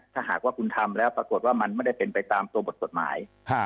ถ้าหากว่าคุณทำแล้วปรากฏว่ามันไม่ได้เป็นไปตามตัวบทกฎหมาย